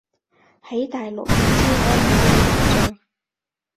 喺大陸唔知可唔可以下載